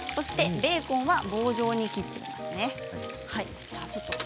ベーコンは棒状に切っています。